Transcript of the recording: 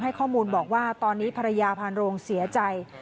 ข้อมูลบอกว่าตอนนี้ภรรยาพานโรงเสียใจ